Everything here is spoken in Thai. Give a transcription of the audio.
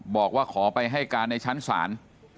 บอกว่าขอไปให้การในชั้นศาล